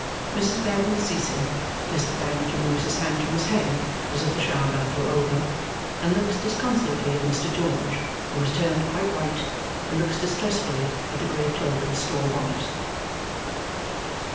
Mrs. Bagnet ceasing, Mr. Bagnet removes his hand from his head as if the shower bath were over and looks disconsolately at Mr. George, who has turned quite white and looks distressfully at the grey cloak and straw bonnet.